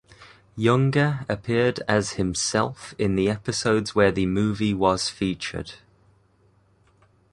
Younger appeared as himself in the episodes where the movie was featured.